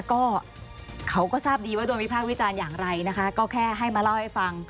ก็เขาก็ทราบดีว่าโดนวิพากษ์วิจารณ์อย่างไรนะคะก็แค่ให้มาเล่าให้ฟัง